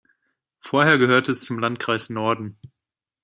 Vorher gehörte es zum Landkreis Norden.